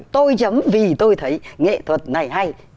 tôi chấm vì tôi thấy nghệ thuật này hay